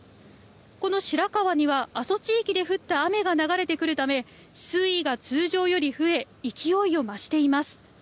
この白川には、阿蘇地域で降った雨が流れてくるため、水位が通常より増え、勢いを増しています。